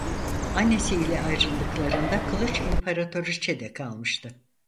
Annesi ile ayrıldıklarında kılıç imparatoriçede kalmıştı.